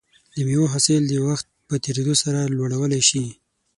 د مېوو حاصل د وخت په تېریدو سره لوړولی شي.